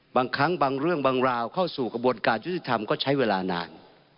บางครั้งบางเรื่องบางราวเข้าสู่กระบวนการยุติธรรมก็ใช้เวลานาน